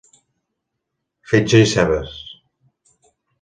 Fetge i cebes.